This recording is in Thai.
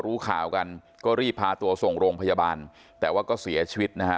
รู้ข่าวกันก็รีบพาตัวส่งโรงพยาบาลแต่ว่าก็เสียชีวิตนะฮะ